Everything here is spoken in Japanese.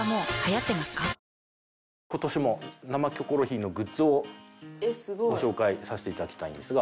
コリャ今年も「生キョコロヒー」のグッズをご紹介させていただきたいんですが。